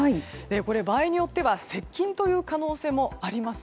場合によっては接近という可能性もあります。